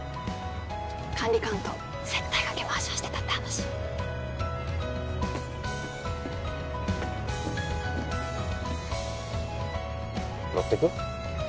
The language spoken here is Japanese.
管理官と接待賭けマージャンしてたって話乗ってく？